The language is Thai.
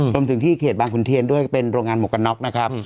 รวมถึงที่เขตบางขุนเทียนด้วยก็เป็นโรงงานหมวกกันน็อกนะครับ